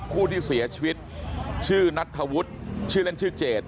ผู้ที่เสียชีวิตชื่อนัทธวุฒิชื่อเล่นชื่อเจด